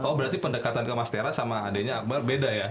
oh berarti pendekatan ke mas tera sama adeknya akbar beda ya